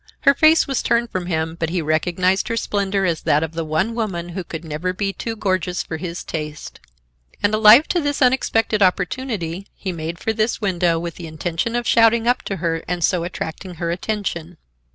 Her face was turned from him, but he recognized her splendor as that of the one woman who could never be too gorgeous for his taste; and, alive to this unexpected opportunity, he made for this window with the intention of shouting up to her and so attracting her attention.